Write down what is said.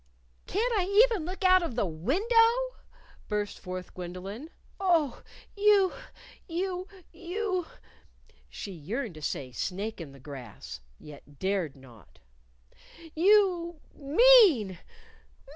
"Can't I even look out of the window?" burst forth Gwendolyn. "Oh, you you you " (she yearned to say Snake in the grass! yet dared not) "you mean!